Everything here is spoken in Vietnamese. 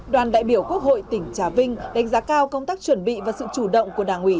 đoàn đại biểu quốc hội tỉnh trà vinh đánh giá cao công tác chuẩn bị và sự chủ động của đảng ủy